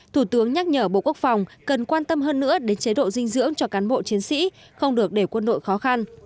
thủ tướng nhắc nhở bộ quốc phòng cần quan tâm hơn nữa đến chế độ dinh dưỡng cho cán bộ chiến sĩ không được để quân đội khó khăn